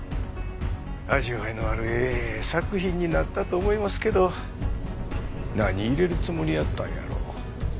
味わいのあるええ作品になったと思いますけど何入れるつもりやったんやろう？